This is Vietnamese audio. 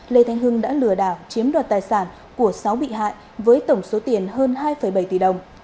lê thanh hưng đã lừa đảo chiếm đoạt tài sản của sáu bị hại với tổng số tiền hơn hai bảy tỷ đồng